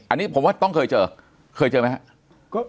อันนี้ผมว่าต้องเคยเจอเคยเจอไหมครับ